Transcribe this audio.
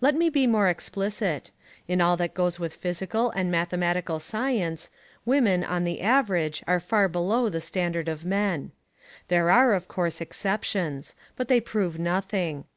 Let me be more explicit. In all that goes with physical and mathematical science, women, on the average, are far below the standard of men. There are, of course, exceptions. But they prove nothing.